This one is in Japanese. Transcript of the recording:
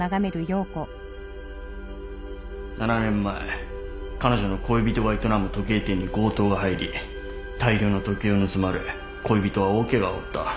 ７年前彼女の恋人が営む時計店に強盗が入り大量の時計を盗まれ恋人は大ケガを負った。